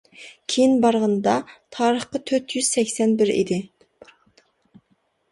كېيىن بارغىنىدا تارىخقا تۆت يۈز سەكسەن بىر ئىدى.